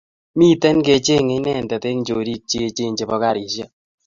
Miten kechenge inendet eng choriik cheechen chebo karishek